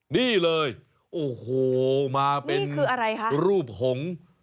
นี่เลยโอ้โหมาเป็นรูปหงศ์